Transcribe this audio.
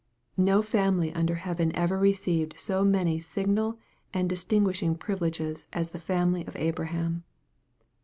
No family under heaven ever received so many signal and distin guishing privileges as the family of Abraham.